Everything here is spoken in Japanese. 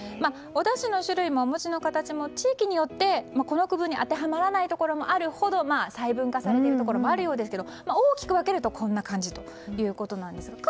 おだしの種類もお餅の形も地域によってこの区分に当てはまらないところもあるほど細分化されているところもあるようですが大きく分けるとこんな感じだということです。